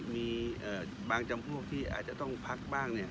มีบางจำพวกที่อาจจะต้องพักบ้าง